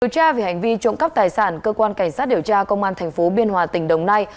điều tra về hành vi trộm cắp tài sản cơ quan cảnh sát điều tra công an thành phố biên hòa tỉnh đồng nai